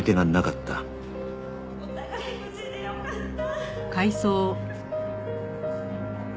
お互い無事でよかった！